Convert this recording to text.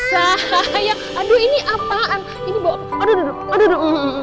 sayang aduh ini apaan ini bau adududu adududu